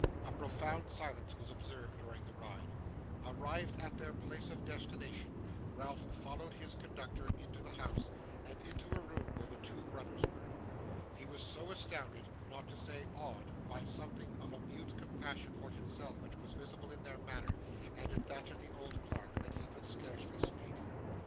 A profound silence was observed during the ride. Arrived at their place of destination, Ralph followed his conductor into the house, and into a room where the two brothers were. He was so astounded, not to say awed, by something of a mute compassion for himself which was visible in their manner and in that of the old clerk, that he could scarcely speak.